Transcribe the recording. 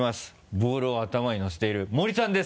ボールを頭にのせている森さんです